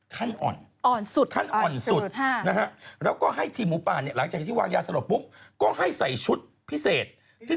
ขึ้นทางนี้๓คนนำทางมาที่โถง๓